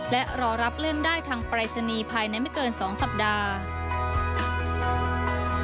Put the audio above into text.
และรอรับเล่มได้ทางปรายศนีย์ภายในไม่เกิน๒สัปดาห์